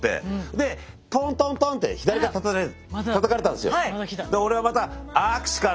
でトントントンって左肩たたかれたんですよ。